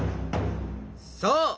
そう！